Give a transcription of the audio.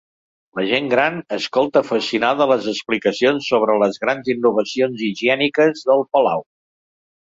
La gent gran escolta fascinada les explicacions sobre les grans innovacions higièniques del palau.